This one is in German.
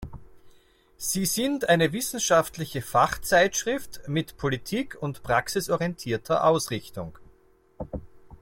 Sie sind eine wissenschaftliche Fachzeitschrift mit politik- und praxisorientierter Ausrichtung.